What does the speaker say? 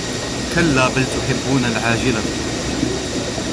كَلَّا بَلْ تُحِبُّونَ الْعَاجِلَةَ